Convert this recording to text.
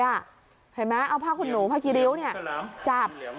เห็นไหมเอาผ้าขนหนูผ้ากี่ริ้วจับ